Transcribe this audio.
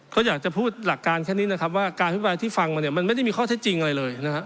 เขาอยากจะพูดหลักการแค่นี้นะครับว่าการอภิปรายที่ฟังมาเนี่ยมันไม่ได้มีข้อเท็จจริงอะไรเลยนะครับ